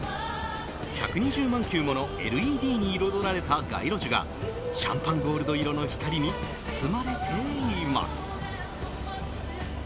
１２０万球ものＬＥＤに彩られた街路樹がシャンパンゴールド色の光に包まれています。